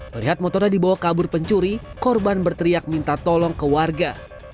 melihat motornya dibawa kabur pencuri korban berteriak minta tolong ke warga